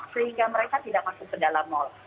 sehingga mereka tidak masuk ke dalam mal